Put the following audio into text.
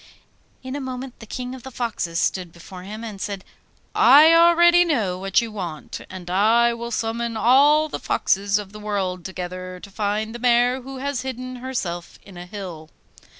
In a moment the King of the Foxes stood before him and said: 'I know already what you want, and will summon all the foxes of the world together to find the mare who has hidden herself in a hill.